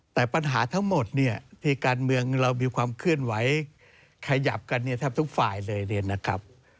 แต่ปัญหาทั้งหมดที่การเมืองเรามีความเคลื่อนไหวขยับกันแทบทุกฝ่ายเลยนะครับ